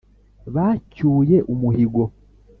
bacyuye umuhigo,